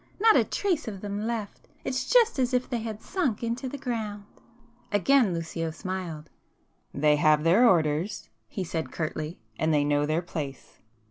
—not a trace of them left! It's just as if they had sunk into the ground!" Again Lucio smiled. "They have their orders,—" he said curtly—"And they know their place."